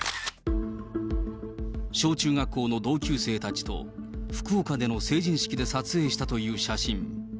小中学校の同級生たちと福岡での成人式で撮影したという写真。